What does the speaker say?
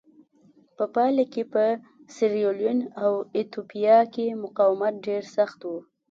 په پایله کې په سیریلیون او ایتوپیا کې مقاومت ډېر سخت و.